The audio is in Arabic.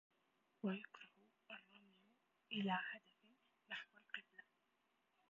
وَيُكْرَهُ الرَّمْيُ إلَى هَدَفٍ نَحْوَ الْقِبْلَةِ